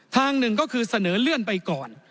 ทางหนึ่งก็คือเสนอเลื่อนไปก่อน